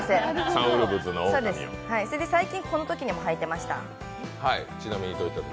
それで最近、このときにもはいてました。